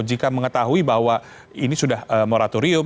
jika mengetahui bahwa ini sudah moratorium